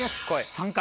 ３回。